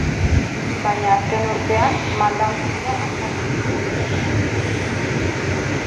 Baina azken urtean maldan behera azkar egin du bere burmuinak.